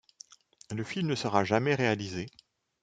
Le film ne sera jamais réalisé.